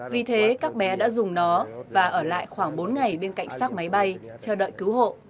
vì thế các bé đã dùng nó và ở lại khoảng bốn ngày bên cạnh xác máy bay chờ đợi cứu hộ